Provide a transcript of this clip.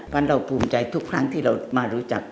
เพราะเราภูมิใจทุกครั้งที่เรามารู้จัก